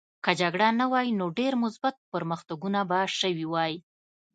که جګړه نه وای نو ډېر مثبت پرمختګونه به شوي وای